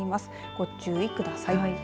ご注意ください。